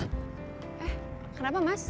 eh kenapa mas